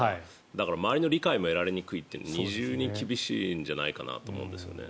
だから、周りの理解も得られないというので二重に厳しいんじゃないかと思うんですよね。